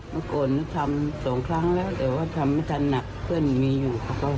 เมื่อก่อนทำสองครั้งแล้วแต่ว่าทำไม่ทันหนักเพื่อนมีอยู่